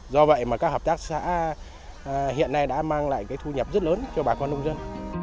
do vậy mà các hợp tác xã hiện nay đã mang lại cái thu nhập rất lớn cho bà con nông dân